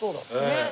ねえ。